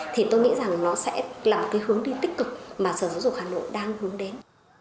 thì tôi nghĩ rằng nó sẽ là một cái hướng đi tích cực mà sở giáo dục hà nội đang hướng đến